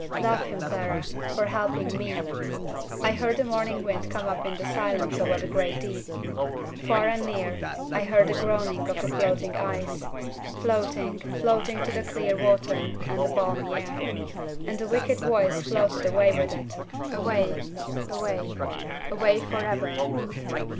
'Love him, Clara, for helping me!' I heard the morning wind come up in the silence over the great deep. Far and near, I heard the groaning of the floating ice; floating, floating to the clear water and the balmy air. And the wicked Voice floated away with it away, away, away forever!